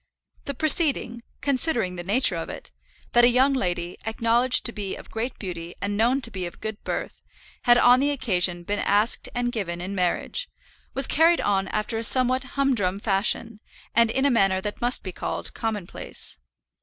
The proceeding, considering the nature of it, that a young lady, acknowledged to be of great beauty and known to be of good birth, had on the occasion been asked and given in marriage, was carried on after a somewhat humdrum fashion, and in a manner that must be called commonplace.